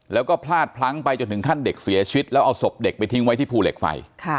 แล้วก็พลาดพลั้งไปจนถึงขั้นเด็กเสียชีวิตแล้วเอาศพเด็กไปทิ้งไว้ที่ภูเหล็กไฟ